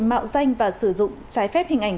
mạo danh và sử dụng trái phép hình ảnh